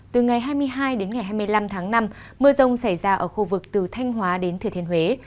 từ ngày hai mươi hai đến ngày hai mươi năm tháng năm mưa rông xảy ra ở khu vực từ thanh hóa đến thừa thiên huế